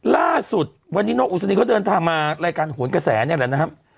ล่าสุดวันนี้นกอุศนีเขาเดินทางมารายการโหนกระแสนี่แหละนะครับ